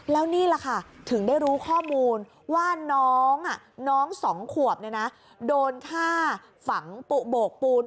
แล้วนี่แหละค่ะถึงได้รู้ข้อมูลว่าน้อง๒ขวบโดนฆ่าฝังโบกปูน